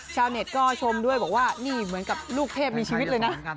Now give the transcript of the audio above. ชาวเน็ตก็ชมด้วยบอกว่านี่เหมือนกับลูกเทพมีชีวิตเลยนะ